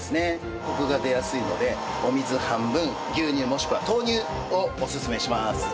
コクが出やすいのでお水半分牛乳もしくは豆乳をおすすめします。